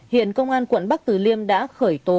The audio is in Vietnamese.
hiện công an quận bắc từ liêm đã khởi tố